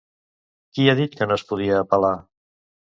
Qui ha dit que no es podia apel·lar?